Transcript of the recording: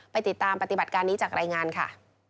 ไปติดตามปฏิบัติการนี้จากรายงานค่ะ